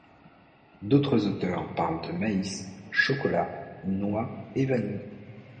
D'autres auteurs parlent de maïs, chocolat, noix et vanille.